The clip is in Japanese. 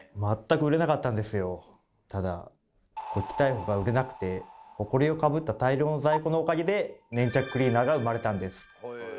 ただ「ゴキ逮捕！」が売れなくてホコリをかぶった大量の在庫のおかげで粘着クリーナーが生まれたんです。